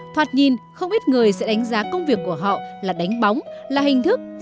thoạt nhìn không ít người sẽ đánh giá công việc của họ là đánh bóng là hình thức